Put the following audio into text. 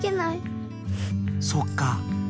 そっか。